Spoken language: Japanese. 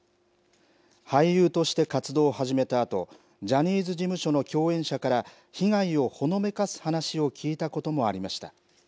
俳優として活動を始めたあと、ジャニーズ事務所の共演者から、被害をほのめかす話を聞いたこともありました。